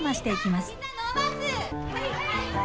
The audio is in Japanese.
はい！